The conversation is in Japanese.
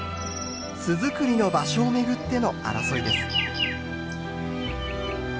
巣づくりの場所を巡っての争いです。